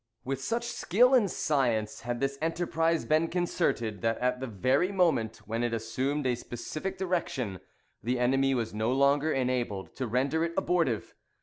"With such skill and science had this enterprise been concerted, that at the very moment when it assumed a specific direction, the enemy was no longer enabled to render it abortive.